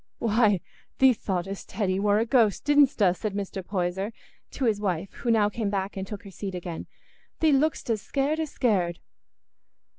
"Why, thee thought'st Hetty war a ghost, didstna?" said Mr. Poyser to his wife, who now came back and took her seat again. "Thee look'dst as scared as scared."